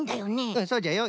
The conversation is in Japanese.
うんそうじゃよ。